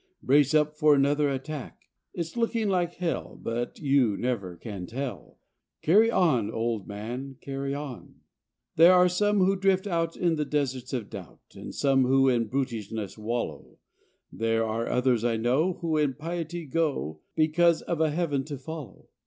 Brace up for another attack. It's looking like hell, but you never can tell: Carry on, old man! Carry on! There are some who drift out in the deserts of doubt, And some who in brutishness wallow; There are others, I know, who in piety go Because of a Heaven to follow.